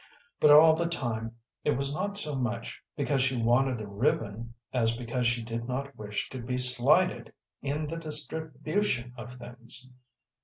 But all the time it was not so much because she wanted the ribbon as because she did not wish to be slighted in the distribution of things.